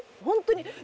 本当に。